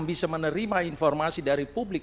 bisa menerima informasi dari publik